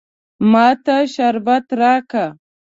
ما ته شربت راکه.